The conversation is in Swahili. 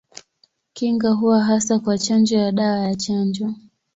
Kinga huwa hasa kwa chanjo ya dawa ya chanjo.